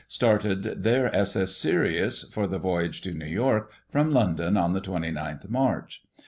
started their s.s. Sirius, for the voyage to New York, from London, on the 29th March.